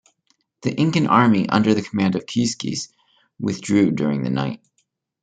The Incan army under the command of Quizquiz withdrew during the night.